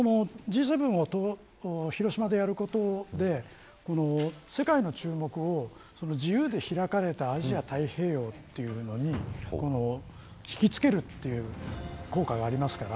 それとＧ７を広島でやることで世界の注目を、自由で開かれたアジア太平洋というのに引きつけるという効果がありますから。